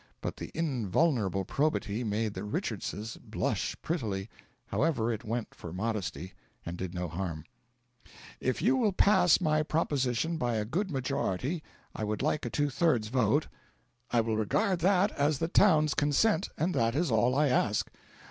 But the "invulnerable probity" made the Richardses blush prettily; however, it went for modesty, and did no harm.) If you will pass my proposition by a good majority I would like a two thirds vote I will regard that as the town's consent, and that is all I ask.